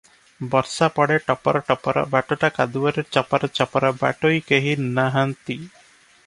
ବର୍ଷା ପଡ଼େ ଟପର ଟପର, ବାଟଟା କାଦୁଅରେ ଚପର ଚପର, ବାଟୋଇ କେହି ନାହାନ୍ତି ।